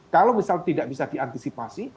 kalau misal tidak bisa diantisipasi